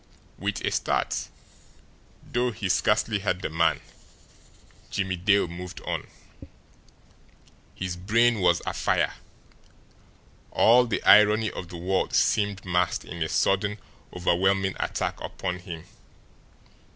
With a start, though he scarcely heard the man, Jimmie Dale moved on. His brain was afire. All the irony of the world seemed massed in a sudden, overwhelming attack upon him.